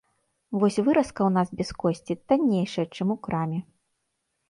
Вось выразка ў нас без косці таннейшая, чым у краме.